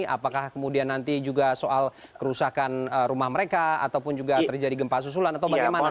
apakah kemudian nanti juga soal kerusakan rumah mereka ataupun juga terjadi gempa susulan atau bagaimana